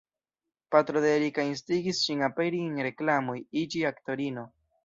Patro de Erika instigis ŝin aperi en reklamoj, iĝi aktorino.